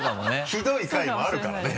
ひどい回もあるからね。